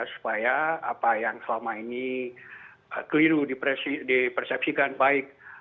supaya apa yang selama ini keliru dipersepsikan baik